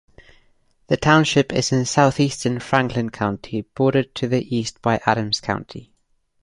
The township is in southeastern Franklin County, bordered to the east by Adams County.